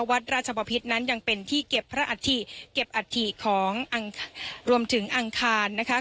วัดราชบพิษนั้นยังเป็นที่เก็บพระอัฐิเก็บอัฐิของรวมถึงอังคารนะคะ